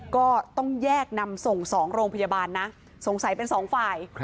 ก็ต้องแยกนำส่ง๒โรงพยาบาลนะสงสัยเป็นสองฝ่าย